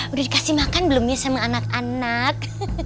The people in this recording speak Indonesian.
udah dikasih makan belum ya sama anak anak